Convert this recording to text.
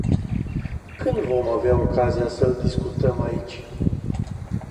Când vom avea ocazia să-l discutăm aici?